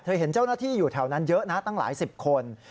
เห็นเจ้าหน้าที่อยู่แถวนั้นเยอะนะตั้งหลายสิบคน